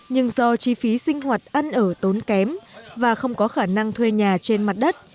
nhưng do chi phí sinh hoạt ăn ở tốn kém và không có khả năng thuê nhà trên mặt đất